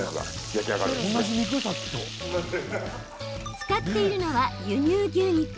使っているのは輸入牛肉。